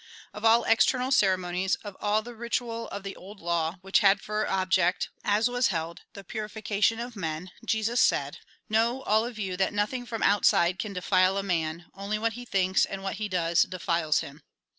Of all external ceremonies, of all the ritual of the old law, which had for object, as was held, the purification of men, Jesus said :" Kuow all of you, that nothing from outside can defile a man ; only what he thinks, and what he does, defiles him."